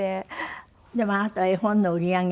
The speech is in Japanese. でもあなたは絵本の売り上げの一部を